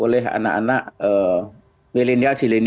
oleh anak anak milenial zilenial